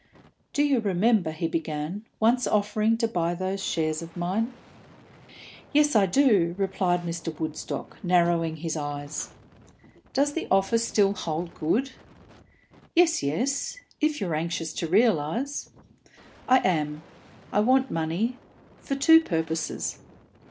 "Do you remember," he began, "once offering to buy those shares of mine?" "Yes, I do," replied Mr. Woodstock, narrowing his eyes. "Does the offer still hold good?" "Yes, yes; if you're anxious to realise." "I am. I want money for two purposes."